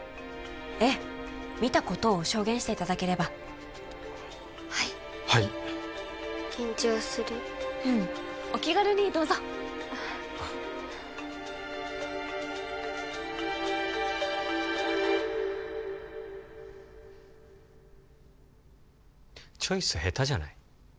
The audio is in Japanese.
ええ見たことを証言していただければはいはい緊張するうんお気軽にどうぞあっチョイス下手じゃない？